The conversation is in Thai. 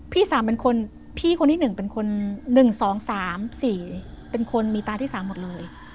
๓เป็นคนพี่คนที่๑เป็นคน๑๒๓๔เป็นคนมีตาที่๓หมดเลย